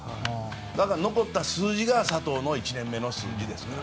だから残った数字が佐藤の１年目の数字ですから。